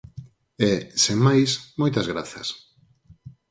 E, sen máis, moitas grazas.